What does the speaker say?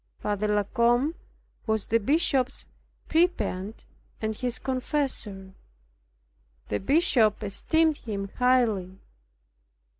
Father La Combe was the bishop's prebend and his confessor. He esteemed him highly.